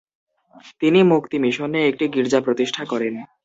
তিনি মুক্তি মিশনে একটি গির্জা প্রতিষ্ঠা করেন।